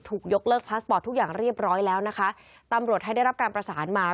ยกเลิกพาสปอร์ตทุกอย่างเรียบร้อยแล้วนะคะตำรวจให้ได้รับการประสานมา